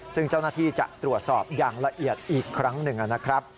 ซึ่งเจ้าหน้าที่จะตรวจสอบอย่างละเอียดอีกครั้งหนึ่งนะครับ